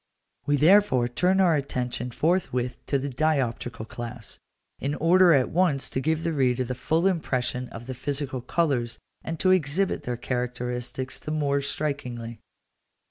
We therefore turn our attention forthwith to the dioptrical class, in order at once to give the reader the full impression of the physical colours, and to exhibit their characteristics the more strikingly.